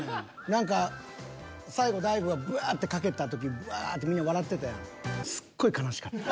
何か最後大悟がぶわってかけた時ぶわってみんな笑ってたやん。